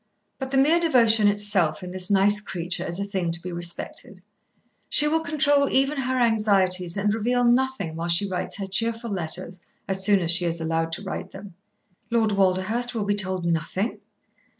But the mere devotion itself in this nice creature is a thing to be respected. She will control even her anxieties and reveal nothing while she writes her cheerful letters, as soon as she is allowed to write them." "Lord Walderhurst will be told nothing?"